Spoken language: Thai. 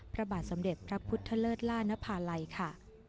พระบาทสมเด็จพระพุทธเลิศล่านภาลัยค่ะ